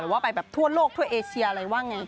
ว่าไปแบบทั่วโลกทั่วเอเชียอะไรว่าไง